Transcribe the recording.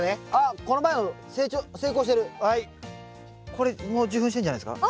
これも受粉してんじゃないですか？